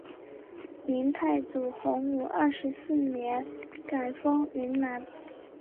明太祖洪武二十四年改封云南。